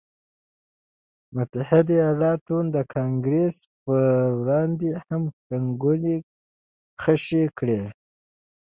د متحده ایالتونو د کانګرېس پر ودانۍ هم منګولې خښې کړې.